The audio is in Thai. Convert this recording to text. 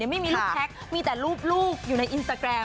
ไม่มีรูปแท็กมีแต่รูปลูกอยู่ในอินสตาแกรม